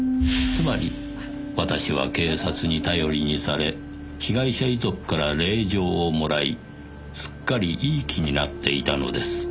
「つまり私は警察に頼りにされ被害者遺族から礼状をもらいすっかりいい気になっていたのです」